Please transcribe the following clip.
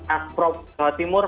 asprop jawa timur